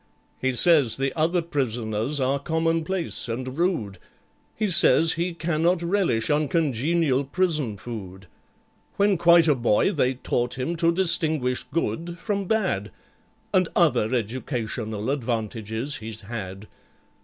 "He says the other prisoners are commonplace and rude; He says he cannot relish uncongenial prison food. When quite a boy they taught him to distinguish Good from Bad, And other educational advantages he's had.